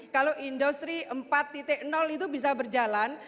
kalau industri empat itu bisa berjalan